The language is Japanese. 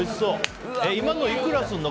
今のいくらするの？